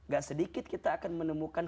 gak sedikit kita akan menemukan